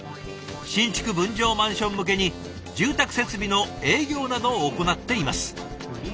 新築分譲マンション向けに住宅設備の営業などを行っています。